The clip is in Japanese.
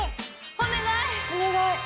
お願い。